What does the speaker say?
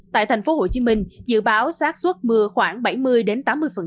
tại thành phố hồ chí minh dự báo sát xuất mưa khoảng bảy mươi đến tám mươi